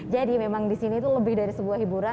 memang di sini itu lebih dari sebuah hiburan